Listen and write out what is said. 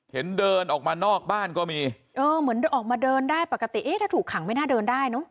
เดินออกมานอกบ้านก็มีเออเหมือนออกมาเดินได้ปกติเอ๊ะถ้าถูกขังไม่น่าเดินได้เนอะ